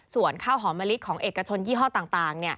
ส่วนข้าวหอมมะลิของเอกชนยี่ห้อต่าง